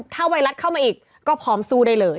ถ้าไวรัสเข้ามาอีกก็พร้อมสู้ได้เลย